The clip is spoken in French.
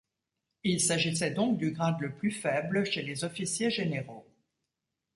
Il s'agissait donc du grade le plus faible chez les officiers généraux.